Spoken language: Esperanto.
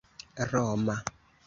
roma